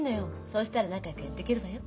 そうしたら仲よくやっていけるわよ。